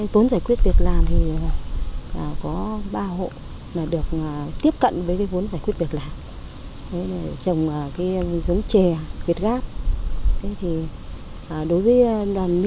vốn giải quyết việc làm thì có ba hộ được tiếp cận với vốn giải quyết việc làm